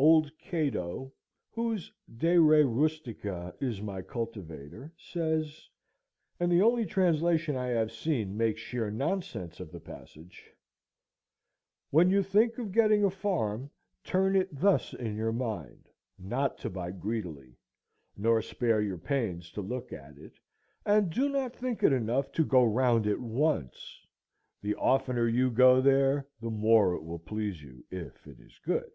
Old Cato, whose "De Re Rusticâ" is my "Cultivator," says, and the only translation I have seen makes sheer nonsense of the passage, "When you think of getting a farm, turn it thus in your mind, not to buy greedily; nor spare your pains to look at it, and do not think it enough to go round it once. The oftener you go there the more it will please you, if it is good."